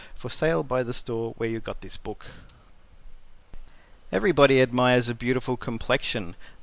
For Sale by the Store where you got this book. Everybody Admires a Beautiful Complexion. DR.